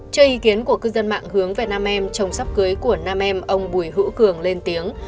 cho ý kiến của cư dân mạng hướng về nam em trồng sắp cưới của nam em ông bùi hữu cường lên tiếng